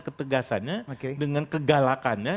ketegasannya dengan kegalakannya